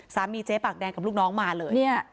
เจ๊ปากแดงกับลูกน้องมาเลย